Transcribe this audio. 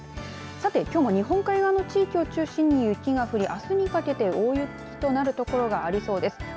さて、きょうは日本海側の地域を中心に雪が降りあすにかけて大雪となる所がありそうです。